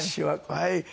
はい。